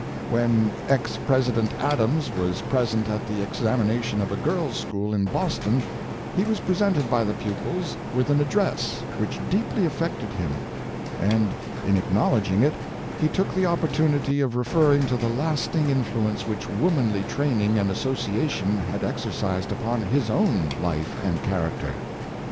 "" When ex President Adams was present at the ex amination of a girls' school at Boston, he was presented by the pupils with an address which deeply affected him, and in acknowledging it, he took the opportunity of referring to the lasting influence which womanly training and association had exercised upon his own life and character.